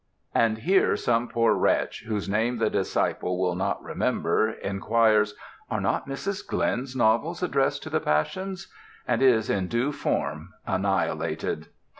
And here some poor wretch (whose name the disciple will not remember) inquires: "Are not Mrs. Glyn's novels addressed to the passions?" and is in due form annihilated.